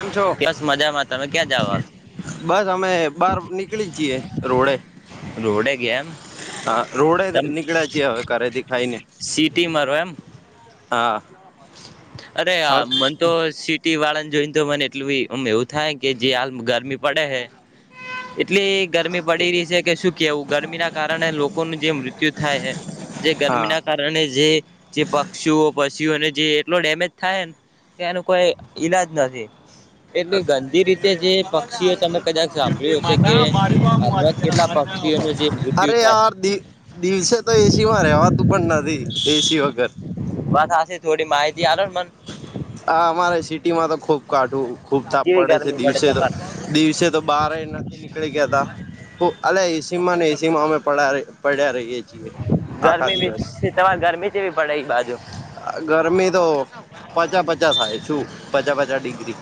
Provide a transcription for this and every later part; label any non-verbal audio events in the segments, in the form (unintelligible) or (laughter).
કેમ છો યેસ મજામાં તમે ક્યાં જાઓ હાલ. બસ અમે બહાર નીકળી જઈએ રોડે. રોડે ગયા એમ? હા રોડે તમ નીકળ્યા છે હવે ઘરે દેખાઈને. સિટીમાં રહો એમ હા. અરે હા આ મન તો સિટી વાળાને જોઈને તો મને એટલુંમ એવું થાય કે જે હાલ ગરમી પડે હે. એટલે ગરમી પડી રહી છે કે શું કેવું ગરમી ના કારણે લોકોનું જે મૃત્યુ થાય છે. જે ગરમી હા ના કારણે જે જે પક્ષીઓ, પશુઓને જે એટલો ડેમેજ થાય ને એ એનું કોઈ ઈલાજ નથી. એટલે ગંદી રીતે જે પક્ષીઓ તમે કદાચ સાંભળ્યું હશે કે હાલમાં કેટલા પક્ષીઓનું જે મૃત્યુ અરે યાર થાય દિવસે તો એ સી માં રેવા તું પણ નથી. એ સી વગર. બસ (unintelligible) થોડી માહિતી આલો ન મન. હા અમારે સિટી માં તો ખુબ કાઠું ખુબ થાપ કેવી પડે છે ગરમી દિવસે તો. તમારે દિવસે તો બહાર નથી નીકળી ગયા તા અલા એ સી માં ને એ સી માં અમે પડ્યા પડ્યા રહીએ છીએ આખા ગરમી દિવસ. બી તમારે ગરમી કેવી પડે એ બાજુ? ગરમી તો પચા પચા થાય શું પચા પચા ડિગ્રી.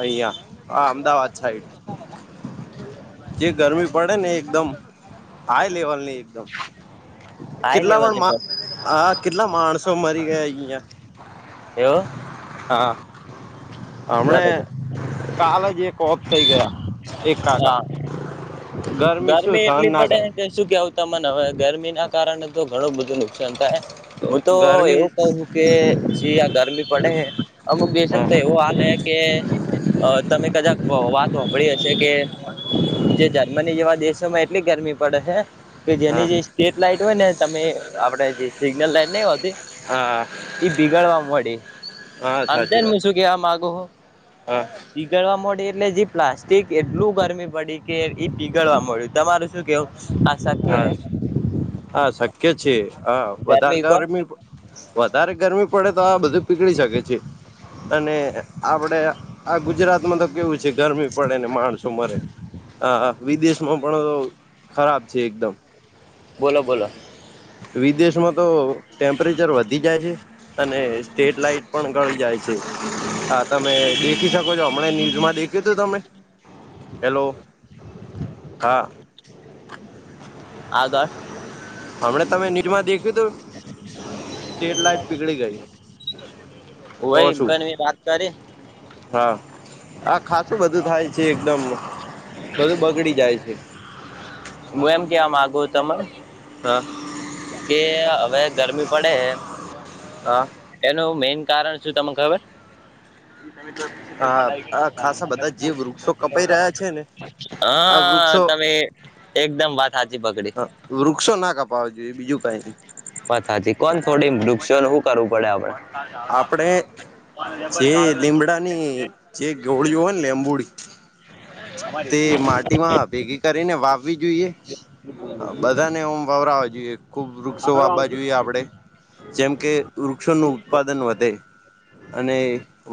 અહિયા આ અમદાવાદ સાઈડ. જે ગરમી પડે ને એકદમ હાઈ લેવલ ની એકદમ. હાઈ કેટલા પણ લેવલે પડે હા કેટલા માણસો મરી ગયા અહિયાં. એવ. હા. હમણે બરોબર કાલ જ એક ઓફ થઇ ગયા એક કાકા. હા શું ગરમી સહન એટલી ના પડે કરે કે શું કેવું તમને હવે ગરમી ના કારણે તો ઘણું બધું નું શાન થાય. હું તો એવું કહું કે જી આ ગરમી પડે હૈ અમુક દેશક હા તો એવો હાલ હૈ કે તમે કદાક વાત હાંબડી હશે કે જે જર્મની જેવા દેશોમાં એટલી ગરમી પડે હે કે જેની હા જે સ્ટ્રીટ લાઈટ હોય ને તમે આપડે જે સિગ્નલ લાઈટ નહીં હોતી હા ઈ બીગાડવા મડી. હા આમ ત સાચી વાત હ શું કેવા માગુ હો હા. પીગળવા મળડી એટલે જે પ્લાસ્ટિક એટલું ગરમી પડી કે એ પીગળવા મળ્યું તમારું શું કહેવું આસાર હા હા શક્ય છે હ વધારગ ગરમી બહુ વધારે ગરમી પડે તો આ બધું પીગળી શકે છે અને આપડે આ ગુજરાતમાં તો કેવું છે ગરમી પડે ને માણસો મરે. હા હા વિદેશમાં પણ ખરાબ છે એકદમ. બોલો બોલો. વિદેશમાં તો ટેમ્પરેચર વધી જાય છે. અને સ્ટ્રીટ લાઈટ પણ ગળી જાય છે. હા તમે દે ખી શકો છો હમણાં ન્યૂઝમાં દેખ્યું તો તમે હેલો હા આગળ હમણા તમે નીરમાં દેખ્યું તું સ્ટ્રીટ લઇટ પીગળી ગઈ. વય તો શું પણ મે વાત કરી હા હા ખાસું બધું થાય છે એકદમ બધું બગડી જાય છે (inaudible) હું એમ કેવા માગુ તમે હ કે હવે ગરમી પડે હા એનું મેન કારણ શું તને ખબર હા આ ખાસા બધા જે વૃક્ષો કપાઈ રહ્યા છે ને (unintelligible) અ આ વૃક્ષો તમે એકદમ વાત હાચી પકડી વૃક્ષો ના કપાવા જોઈએ બીજું કઈની પથાજી કોણ થોડી વૃક્ષો નું હું કરવું પડે આપડે આપડે જે લીમડાની જે ગોળીઓ હોય ને લેંબુડી તે માટીમાં ભેગી કરીને વાવવી જોઈએ બધાને ઓમ વવરાવા જોઈએ ખુબ વૃક્ષો વાવા જોઈએ આપડે જેમ કે વૃક્ષોનું ઉત્પાદન વધે અને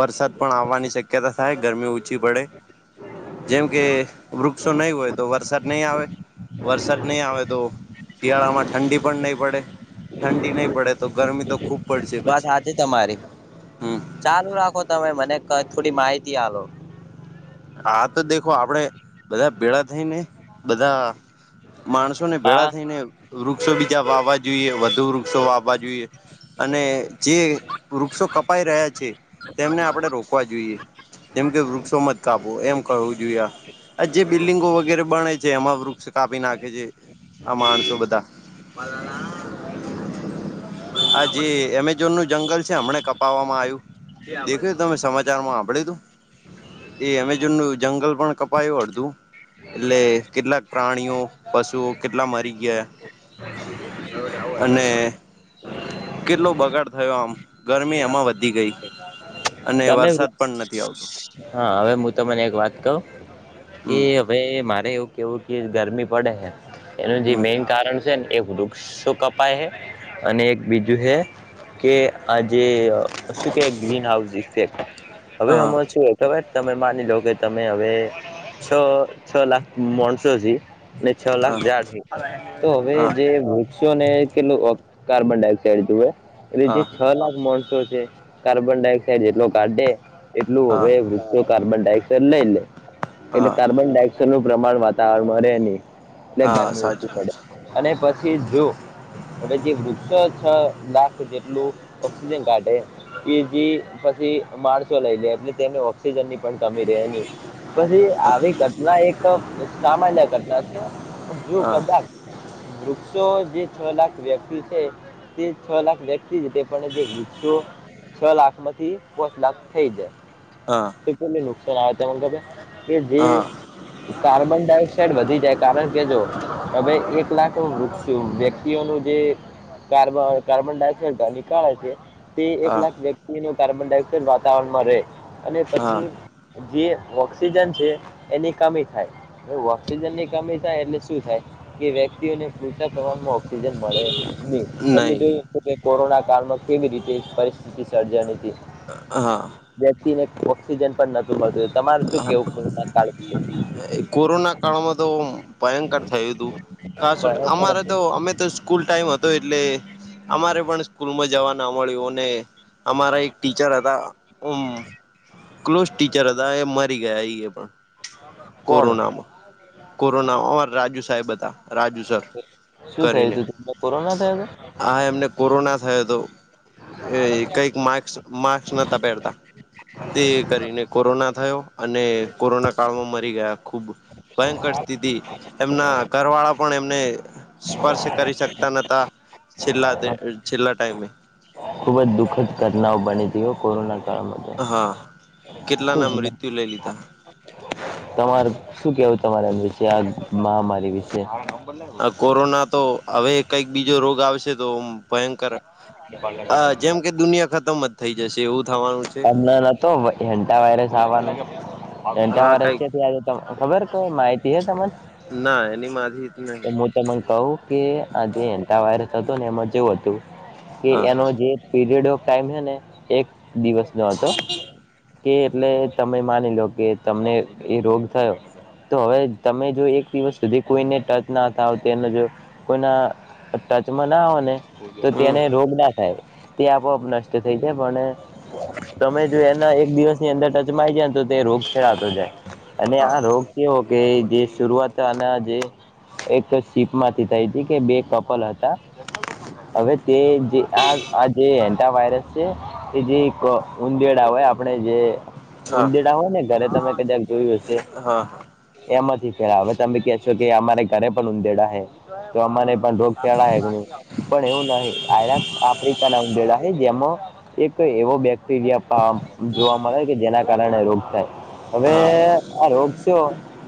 વરસાદ પણ આવવાની શક્યતા થાય ગરમી ઓછી પડે જેમ કે વૃક્ષો નહી હોય તો વરસાદ નહીં આવે વરસાદ નહીં આવે તો શિયાળામાં ઠંડી પણ નહી પડે ઠંડી નહી પડે તો ગરમી તો ખૂબ પડશે વાત પછી હાચી તમારી હમ ચાલુ રાખો તમે મને ક થોડી માહિતી હાલો આ તો દેખો આપડે બધા ભેડા થઈ ને બધા માણસોને હા ભેડા થઈને વૃક્ષો બીજા વાવા જોઈએ વધુ વૃક્ષો વાવા જોઈએ અને જે વૃક્ષો કપાઈ રહ્યા છે તેમને આપણે રોકવા જોઈએ જેમ કે વૃક્ષોમાં કાપો એમ કવું જોઈએ આ આ જે બિલ્ડિંગો વગેરે બને છે એમાં વૃક્ષ કાપી નાખે છે આ માણસો બધા પલના આ જે એમેઝોન નું જંગલ છે હમને કપાવામાં આયું દેખે તમે સમાચાર માં હાંભળ્યું તું એ એમેજોન નું જંગલ પણ કપાયું અડધું એટલે કેટલાક પ્રાણીઓ પશુઓ કેટલા મરી ગયા અને (inaudible) કેટલો બગાડ થયો આમ ગરમી એમાં વધી ગઈ અને તમે વરસાદ વૃક્ષ પણ નથી આવતો હા હવે હું તમને એક વાત કવ કે હમ ભાઈ મારે એવું કેવું કે ગરમી પડે હે એનું જે હમ મેઈન કારણ છે ને એ વૃ ક્ષો કપાય હે અને એક બીજું હે કે આજે શું કેવાય ગ્રીન હાઉસ (unintelligible) હવે હા આમાં સુ હોય ખબર તમે માની લો કે તમે હવે છ છ લાખ માણસો જી ને છ લખ હા જાય છે તો હવે હા જે મુ શો ને કેટલું કાર્બન ડાયોક્સાઇડ જોવે એટલે જે હા છ લાખ માણસો છે કાર્બન ડાયોક્સાઇડ જેટલો કાઢે એટલું હા હવે તો કાર્બન ડાયોક્સાઇડ લઈ લે એટલે હા કાર્બન ડાયોક્સાઇડ નું પ્રમાણ વાતાવરણ માં રહે ની ટલે હા ગરમી ઓછી પડે સાચું અને પછી જો હવે જે વૃક્ષો છ લાખ જેટલું ઓક્સિજન કાઢે કે જે પછી માણસો લઈ લે એટલે તેને ઓ ઓક્સિજન ની પણ કમી રહેની. પછી હા આવી ઘટના એક સામાન્ય ઘટના છે જો હા કદાચ વૃક્ષો જે છ લાખ વ્યક્તિ છે તે છ લાખ વ્ય તે પણ જે વૃક્ષો છ લાખ માંથી પોચ લાખ થઈ જાય હા ક્સિજન ને નુકસાન આવે તેના કરતા કે જે હા કાર્બન ડાયોક્સાઇડ વધી જાય કારણ કે જો હવે એક લાખ વૃક્ષ વ્યક્તિ નું જે કાર્બ કાર્બન ડાયોક્સાઇડ નીકાળે છે. તે એક હા લાખ વ્યક્તિ ન કાર્બન ડાયોક્સાઇડ વાતાવરણમાં રહે અને હા પછી જે ઓક્સિજન છે એની કમી થાય. એ ઓક્સિજન ની કમી થાય એટલે શું થાય કે વ્યક્તિઓને પુરતા પ્રમાણમાં ઓક્સિજન મળે નહી તમે નહી જોય કોરોના કામાં કેવી રીતે પરિસ્થિતિ સર્જાની હતી. હા. (unintelligible) ન પણ નથી મળતું તમારે શું કેવું? કોરોના કાળમાં તો (unintelligible) ભયંકર થયું હતું ખાસ અમારે તો અમે તો સ્કૂલ ટાઈમ હતો એટલે અમારે પણ સ્કૂલમાં જવા ન મળ્યું અને અમારા એક ટીચર હતા ઉમ ક્લોસ ટીચર હતા એ મરી ગયા એ એ પણ કોણ કોરોનામાં. કોરોના અમા રાજુ સાહેબ હતા રાજુ સર શું થયું કરીને. તું તેમને કોરોના થયો હા એમને કોરોના થયો હતો એ કંઈક માસ્ક માસ્ક નહોતા પહેરતા. તે કરીને કોરોના થયો અને કોરોના કાળમાં મરી ગયા ખૂબ. ભયંકર સ્થિતિ એમના ઘર વાળા પણ એમને સ્પર્શ કરી શકતા નતા છેલ્લા હતો છેલ્લા ટાઈમે. ખુબ જ દુઃખદ ઘટનાઓ બનીતી કોરોના. કાળમાં તો હા કેટલા ના મૃત્યુ લઈ લીધા. તમાર શું કેવું તમારા વિશે આ મહામારી વિશે? આ કોરોના તો હવે કઈક બીજો રોગ આવશે તો ભયંકર જેમ કે દુનિયા ખતમ જ થઈ જશે એવું થવાનું છે. તો એંટા વાયરસ આવવાનો. ત્રણ ચાર હા વર્ષ કઈક થયા આજે કોઇ ખબર કોઈ માહિતી છે તને ના એની માહિ હું તમને કહ કે આજે એન્ટા વાયરસ હતો ને એમાં જેવું હતું કે હા એનો જે પીરિયડ ઓફ ટાઈમ હ ને એક દિવસ નો હતો કે એટલે તમે માની લો કે તમને એ રોગ થયો. તો હવે તમે જો એક દિવસ સુધી કોઈને ટચ ના થાવ તેનો જો કોઈના ટચમાં ના આઓ ને તો હમ તેને રોગ ના થાય તે આપોઆપ નષ્ટ થઈ જાય. કે પણ તમે જો એના એક દિવસની અંદર ટચમાં આવી જાય ને તો તે રોગ ફેલાતો જાય. અને હા આ રોગ કેવો કે જે શરૂઆત આના જે એક સીપ માંથી થઈ હતી કે બે કપલ હતા હવે તે જે આ આજ વાયરસ છે કે જે એક ઉંદેડા હેય આપણે જે હા ઉંદેડા હોય ને ઘરે તમે કદાક જોયું હશે? હા એમાંથી ફેલાવે હાવેતમે કે છો કે અમારે ઘરે પણ ઊંદેડા હે તો અમાને પણ રોગ ચાડા હે પણ એવું ન આ આફ્રિકા ના ઉેડા છે જેમાં એક એવો બેગ બેક્ટેરિયા ફમ જોવા મળે કે જેના કારણે રોગ થાય હવે હા આ રોગ શો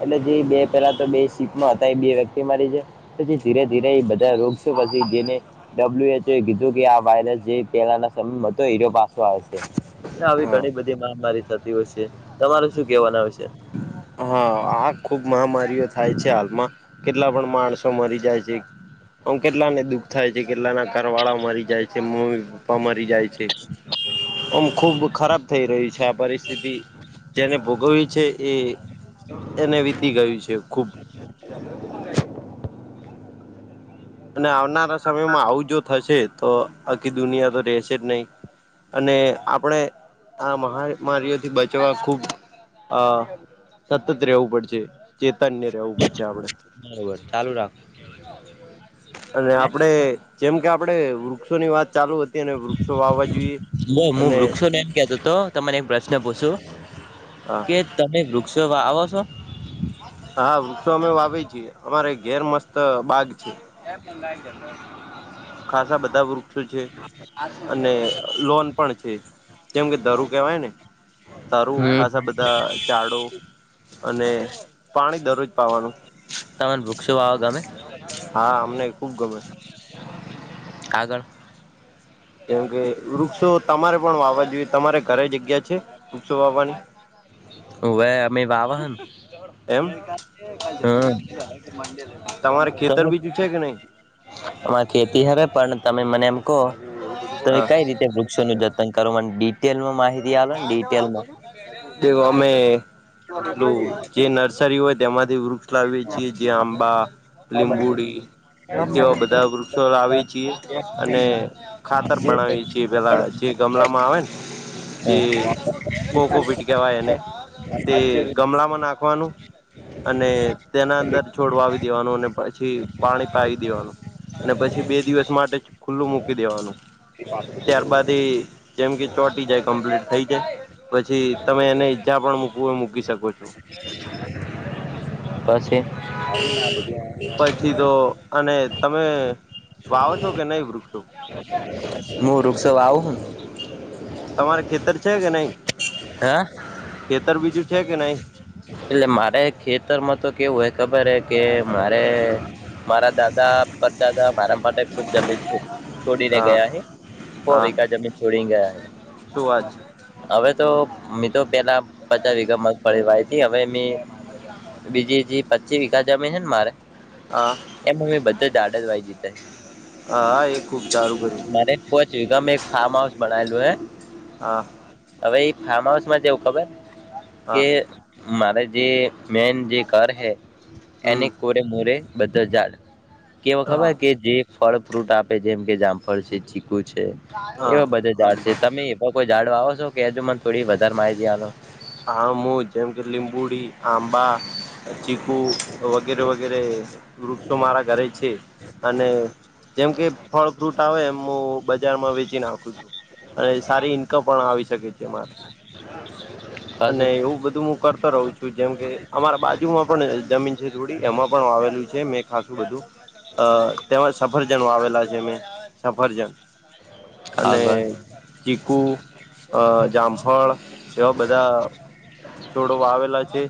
એટલે જે બે પેલા તો બે સીપમાં હતા એ બે વ્યક્તિ મારી જય પછી ધીરે ધીરે એ બધા રોગ છેો પછી જેને ડબલ્યુ એચ એ કીધું કે આ વાયરસ જે પેલાના સમયમાં તો હરો પાસો આવે છે. આવી હા ઘણી બધી મહામારી થતી હોય છે તમારે શું કેવાના હશે. હા આ ખુબ મહામારીઓ થાય છે. હાલમાં કેટલા પણ માણસો મરી જાય છે. હ કેટલાને દુઃખ થાય છે કેટલાના ઘર વાળા મરી જાય છે મમ્મી પપ્પા મરી જાય છે. ઓમ ખુબ ખરાબ થઇ રહી છે આ પરિસ્થિતિ જેને ભોગવ્યું છે એ (unintelligible) એને વીતી ગયું છે ખુબ અને આવનારા સમયમાં આવું જો થશે તો આખી દુનિયા તો રહેશે જ નહી. અને આપણે આ મહામારીઓથી બચવા ખૂબ આ સતત રહેવું પડશે ચેતન્ય રહેવું પડશે આપડે. બરોબર ચાલુ રાખ. અને આપડે જેમ કે આપડે વૃક્ષોની વાત ચાલુ હત અને વૃક્ષો વાવા જોઈએ જો હું અને વૃક્ષોને એમ કેતો હતો તમને એક પ્રશ્ન પૂછું હા. કે તમે વૃક્ષો વાવો છો. હા વૃક્ષો અમે વાવી છીએ અમારે ઘેર મસ્ત બાગ છે. ક્યા પણ ગાય છે. ખાસા બધા વૃક્ષો છે. (unintelligible) અને લોન પણ છે જેમ કે દારુ કેહેવાય ને. તારું ખાસા બધા ચાડો અને પાણી દરરોજ પાવાનું. તને વૃક્ષો વાવો ગમે. હા અમને ખુબ ગમે. આગળ કેમ કે વૃક્ષો તમારે પણ વાવા જોઈએ તમારે ઘરે જગ્યા છે વૃક્ષો વાવવાની. ઓવે અમે વાવાના એમ હા તમારે ખેતર કહે બીજું છે કે નહી આમાં ખેતી હવે પણ તમે મને એમ કહો તમે હા કઈ રીતે વૃ વૃક્ષો નુ જતન કરવા ડિટેલમાં માહિતી આલોને ડિટેલમાં. તો (inaudible) અમે પલું જે નર્સરી હોય તેમાંથી ગપ એટલા વેચીએ છીએ આંબા લીંબુડી એ તેવા બધા વૃક્ષો લાવી છીએ અને ખાતર બનાવીએ છીએ પેલા જ. જે ગમલામાં આવે ને જે કોકો પીટ કેવાય એને. તે ગમલામાં નાખવાનું અને તેના અંદર છોડવાવી દેવાનું અને પછી પાણી પાવી દેવાનું. ને પછી બે દિવસ માટે ખુલ્લું મૂકી દેવાનું. ત્યારબાદ એ (unintelligible) જેમ કે ચોટી જાય કમ્પ્લીટ થઈ જાય પછી તમે એને જયા પણ મુકવું હોય મૂકી શકો છો. પછી. પછી તો અને તમે વાવો છો કે નહી વૃક્ષો. હું વૃક્ષો વાવું તમારે ખેતર છે કે નહી હા ખેતર બીજું છે કે નહી. એટલે મારે ખેતરમાં તો કેવું હોય ખબર હે કે મારે મારા દાદા પરદાદા મારા માટે ખુબ જમીન છોડીને હા ગયા હે. હો હા વીઘા જમીન છોડી ને ગયા હે. શું આજ હવે તો મિત્રો તો પેલા પંચ વિઘ તે વાવી તી હવે એમની બીજી જે પચી વીઘા જમીન હે ને મારે હા. એમ અમે બધા દાદલ જ વાઈગી તે. હા એ ખુબ સારું બધું. મારે પોચ વિઘા મેં ફાર્મ હાઉસ બનાયેલું હૈ. હા. હવે એ ફાર્મ હાઉસ માં જેવું ખબર હા કે મારે જે મેન જે ઘર હે એને હમ કોરે મોરે બધા જાડ કેવા હા ખબર કે જે ફળ ફ્રૂટ આપે જેમ કે જામફળ છે ચીકુ છે હા એવા બધા ઝાડ આમ છે વાત તમે તો કોઈ ઝાડ વાવો છો કે હજુ મને થોડી વધારે માહિતી આપો. આમું જેમકે લીંબુડી, આંબા, ચીકુ વગેરે વગેરે વૃક્ષો મારા ઘરે છે અને જેમ કે ફળ ફ્રૂટ આવે એમું બધ બજારમાં વેચી નાખું છું અને સારી ઈન્કમ પણ આવી શકે છે મારે. (inaudible) અને એવું બધું હું કરતો રહું છું જેમ કે અમારા બાજુમાં પણ જમીન થોડી એમાં પણ આવેલું છે મે ખાસું બધું તેમાં સફરજનો આવેલા છે મે. સફરજન અને આગળ ચીકુ, જામફળ એવા બધા છોડો આવેલા છે.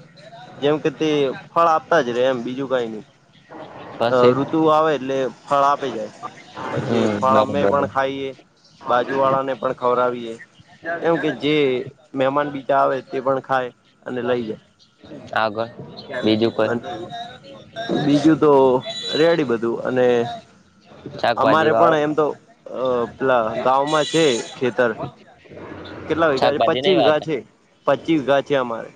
જેમ કે તે ફળ આપતા જ રે એમ બીજું કઈ નહી. અ થશે ઋતુ આવે એટલે ફળ આપે જાય પછી હમ ફળ અમે બરોબર પણ ખાઈએ. બાજુ વાળા ને પણ ખવડાવીએ. કેમ કે જે મહેમાન બીજા આવે તે પણ ખાય અને લઈ જાય. આગળ બીજું કોઈ બીજું તો તો રેડી બધું અને અમારે શાકભાજી પણ વાવો એમ તો પેલા ગામાં છે ખેતર. કેટલા વીઘા છે શાકભાજી પચીસ નહી વીઘા વાવતા છે પચીસ વીઘા છે, અમારે